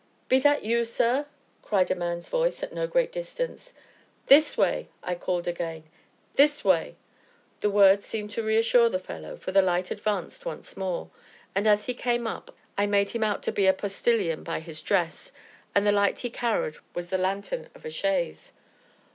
"Be that you, sir?" cried a man's voice at no great distance. "This way!" I called again, "this way!" The words seemed to reassure the fellow, for the light advanced once more, and as he came up, I made him out to be a postilion by his dress, and the light he carried was the lanthorn of a chaise.